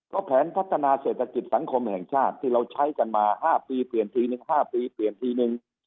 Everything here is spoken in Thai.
ก็แผนพัฒนาเศรษฐกิจสังคมแห่งชาติที่เราใช้กันมา๕ปีเปลี่ยนทีนึง๕ปีเปลี่ยนทีนึง